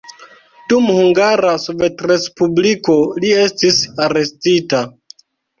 Dum Hungara Sovetrespubliko li estis arestita.